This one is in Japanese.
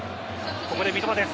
ここで三笘です。